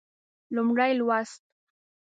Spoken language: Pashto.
لومړی لوست